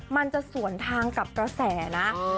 มันจะสวนทางกับกระแสนะ